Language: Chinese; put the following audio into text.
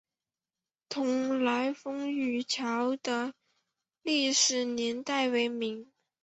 迥澜风雨桥的历史年代为明。